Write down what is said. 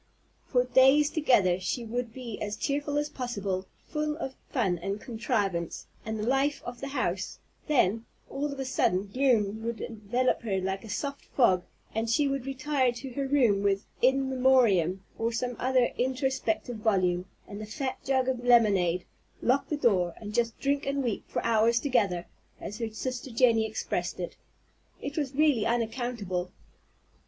For days together she would be as cheerful as possible, full of fun and contrivance, and the life of the house; then, all of a sudden, gloom would envelop her like a soft fog, and she would retire to her room with "In Memoriam," or some other introspective volume, and the fat jug of lemonade, lock the door, and just "drink and weep for hours together," as her sister Jenny expressed it. It was really unaccountable.